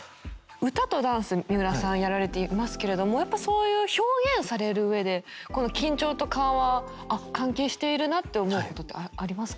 歌とダンス三浦さんやられていますけれどもやっぱそういう表現されるうえでこの緊張と緩和あっ関係しているなって思うことってありますか？